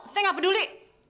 saya gak peduli